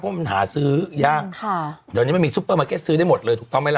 เพราะว่ามันหาซื้อยากค่ะไม่มีซูเปอร์มาเก็ตซื้อได้หมดเลยถูกต้องไหมล่ะ